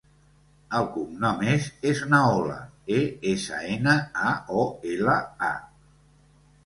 El cognom és Esnaola: e, essa, ena, a, o, ela, a.